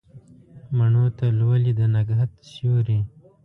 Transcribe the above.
مڼو ته لولي د نګهت سیوري